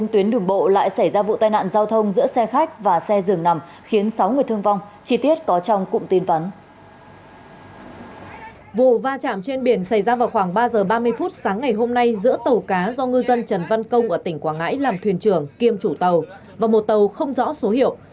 trong khoảng ba h ba mươi phút sáng ngày hôm nay giữa tàu cá do ngư dân trần văn công ở tỉnh quảng ngãi làm thuyền trưởng kiêm chủ tàu và một tàu không rõ số hiệu